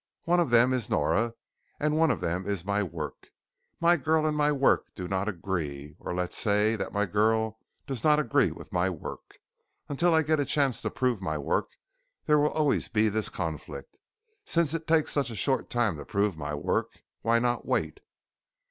One of them is Nora and one of them is my work. My girl and my work do not agree or let's say that my girl does not agree with my work. Until I get a chance to prove my work, there will always be this conflict. Since it takes such a short time to prove my work, why not wait?"